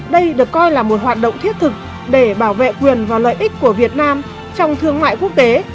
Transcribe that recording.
đây được coi là một hoạt động thiết thực để bảo vệ quyền và lợi ích của việt nam trong thương mại quốc tế